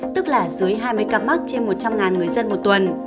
tức là dưới hai mươi ca mắc trên một trăm linh người dân một tuần